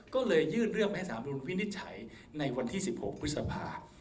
ก็เลยยื่นเรื่องให้สารบุญวินิจฉัยในวันที่๑๖พฤษภา